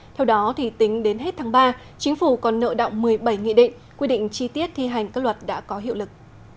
theo đó tính đến hết tháng ba chính phủ còn nợ động một mươi bảy nghị định quy định chi tiết thi hành các luật đã có hiệu lực